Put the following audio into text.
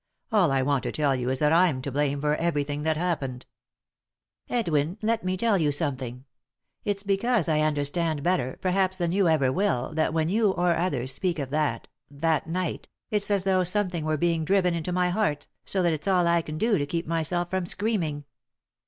All I want to tell you is that I'm to blame for everything that happened" " Edwin, let me tell you something. It's because I understand better, perhaps, than you ever will, that when you, or others, speak of that — that night, it's as though something were being driven into my heart, so that it's all I can do to keep myself from screaming."